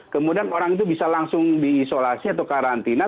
kemudian orang itu bisa langsung diisolasi atau karantina